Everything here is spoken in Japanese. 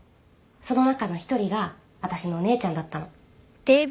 その中の１人があたしのお姉ちゃんだったの。